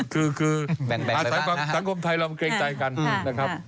คือสังคมไทยเราเกรงใจกันนะครับ